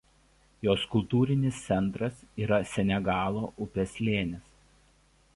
Jos kultūrinis centras yra Senegalo upės slėnis.